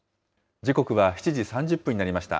時刻は７時３０分になりました。